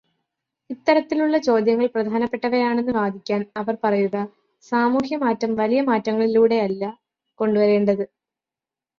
ഇത്തരത്തിലുള്ള ചോദ്യങ്ങൾ പ്രധാനപ്പെട്ടവയാണെന്ന് വാദിക്കാൻ അവർ പറയുക സാമൂഹ്യമാറ്റം വലിയ മാറ്റങ്ങളിലൂടെയല്ല കൊണ്ടുവരേണ്ടത്